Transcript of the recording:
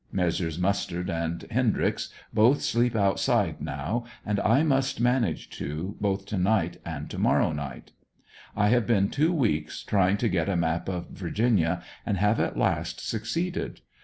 Messrs. Mustard and Hendryx both sleep outside now, and I must manage to, both to night and to morrow night. I have been two weeks trying to get ANDERSONVILLE DIARY. 29 a map of Virginia, and have at last succeeded.